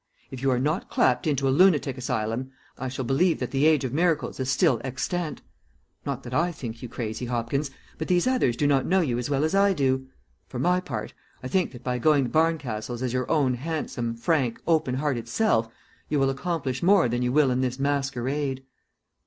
"If you are not clapped into a lunatic asylum, I shall begin to believe that the age of miracles is still extant; not that I think you crazy, Hopkins, but these others do not know you as well as I do. For my part, I think that by going to Barncastle's as your own handsome, frank, open hearted self, you will accomplish more than you will in this masquerade."